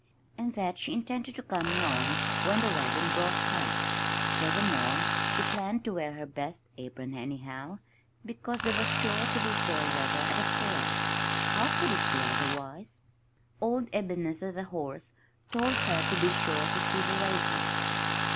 and that she intended to come home when the wagon brought her. Furthermore, she planned to wear her best apron, anyhow, because there was sure to be fair weather at a fair! How could it be otherwise? Old Ebenezer, the horse, told her to be sure to see the races.